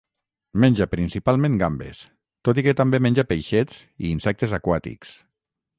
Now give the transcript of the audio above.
Menja principalment gambes, tot i que també menja peixets i insectes aquàtics.